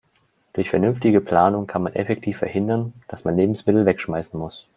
Durch vernünftige Planung kann man effektiv verhindern, dass man Lebensmittel wegschmeißen muss.